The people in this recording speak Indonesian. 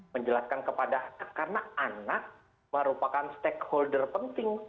menjelaskan kepada anak karena anak merupakan stakeholder penting